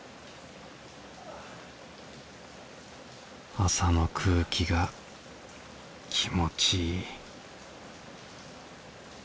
朝の空気が気持ちいい